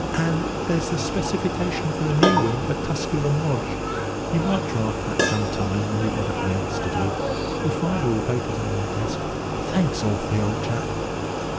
And there's the specification for the new wing at Tusculum Lodge you might draft that some time when you've nothing else to do. You'll find all the papers on my desk. Thanks awfully, old chap."